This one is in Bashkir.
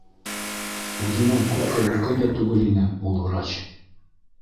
- Үҙенән күпкә өлкән дә түгел ине ул врач.